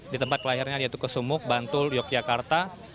di tempat kelahirannya yaitu kesumuk bantul yogyakarta